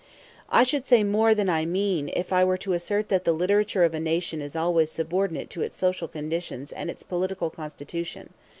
I should say more than I mean if I were to assert that the literature of a nation is always subordinate to its social condition and its political constitution.